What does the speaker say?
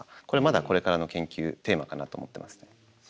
これまだこれからの研究テーマかなと思ってますね。